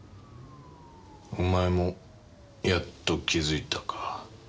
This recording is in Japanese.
お前もやっと気付いたか。